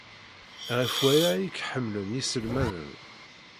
Ɣef waya ay k-ḥemmlen yiselmaden.